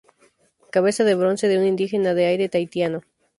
Cabeza de bronce de un indígena de aire tahitiano.